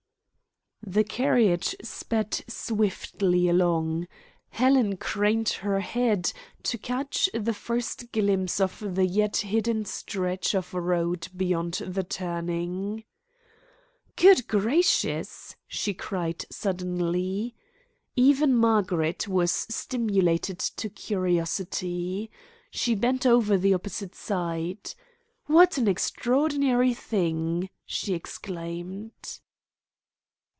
'" The carriage sped swiftly along. Helen craned her head to catch the first glimpse of the yet hidden stretch of road beyond the turning. "Good gracious!" she cried suddenly. Even Margaret was stimulated to curiosity. She bent over the opposite side. "What an extraordinary thing!" she exclaimed.